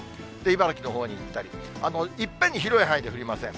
茨城のほうに行ったり、いっぺんに広い範囲で降りません。